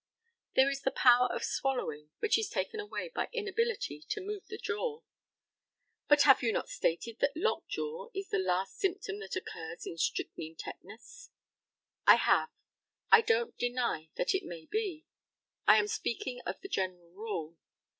There is the power of swallowing, which is taken away by inability to move the jaw. But have you not stated that lockjaw is the last symptom that occurs in strychnine tetanus? I have. I don't deny that it may be. I am speaking of the general rule.